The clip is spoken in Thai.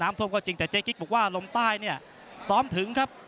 ท่วมก็จริงแต่เจ๊กิ๊กบอกว่าลมใต้เนี่ยซ้อมถึงครับ